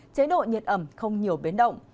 chế độ nhiệt ẩm không nhiều biến động